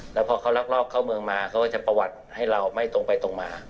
แล้วพอเขาลักลอบเข้าเมืองมาเขาก็จะประวัติให้เราไม่ตรงไปตรงมา